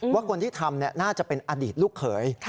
ว่าคนที่ทำน่าจะเป็นอดีตลูกเขย